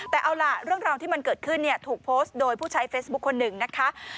แต่เอาล่ะเรื่องราวที่มันเกิดขึ้นเนี่ยถูกโพสต์โดยผู้ใช้เฟซบุ๊คคนหนึ่งนะคะ